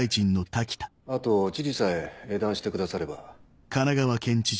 あと知事さえ英断してくだされば。